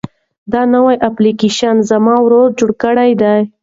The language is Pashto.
دا نوی اپلیکیشن زما ورور جوړ کړی دی.